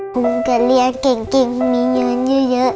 ผมก็เรียนเก่งมีเงินเยอะ